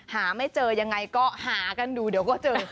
หาไม่เจอยังไงก็หากันดูเดี๋ยวก็เจอ